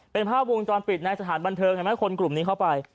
เป็นภาพวงจรปิดในสถานบันเทิงเห็นไหมคนกลุ่มนี้เข้าไป